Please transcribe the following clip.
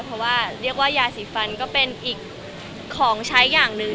เพราะว่าเรียกว่ายาสีฟันก็เป็นอีกของใช้อย่างหนึ่ง